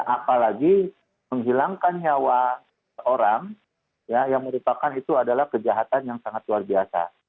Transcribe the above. apalagi menghilangkan nyawa seorang yang merupakan itu adalah kejahatan yang sangat luar biasa